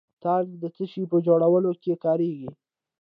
تالک د څه شي په جوړولو کې کاریږي؟